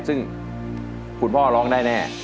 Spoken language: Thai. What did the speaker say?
ซึ่งคุณพ่อร้องได้แน่